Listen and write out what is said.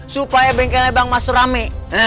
supaya bengkelnya bang mas dur rame